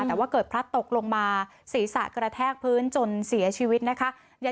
แต่ว่าเกิดพลัดตกลงมาศีรษะกระแทกพื้นจนเสียชีวิตนะคะ